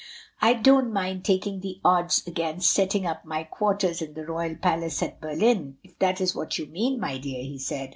"I don't mind taking the odds against setting up my quarters in the Royal palace at Berlin, if that is what you mean, my dear," he said.